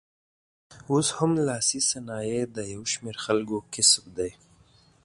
اوس هم لاسي صنایع د یو شمېر خلکو کسب دی.